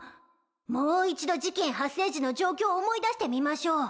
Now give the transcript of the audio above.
もう一度事件発生時の状況を思い出してみましょう。